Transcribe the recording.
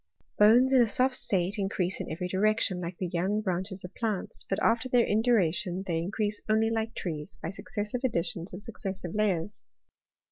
Bones in a soft state increase in every direction, like the young branches of plants ; but after their induration they in crease only like trees, by successive additions of suc cessive layers.